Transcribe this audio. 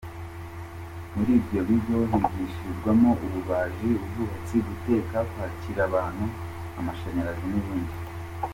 Muri ibyo bigo higishirizwamo ububaji, ubwubatsi, guteka , kwakira abantu, amashanyarazi n’ibindi .